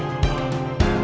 ayo ya sebentar ya